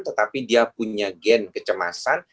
tetapi dia punya gen kecemasan